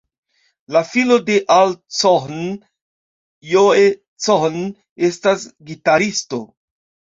La filo de Al Cohn, Joe Cohn, estas gitaristo.